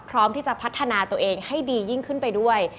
พร้อมที่จะพัฒนาตัวเองให้ดียิ่งขึ้นไปด้วย